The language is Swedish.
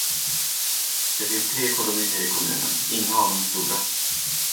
Det finns tre kolonier i kommunen, inga av dem stora.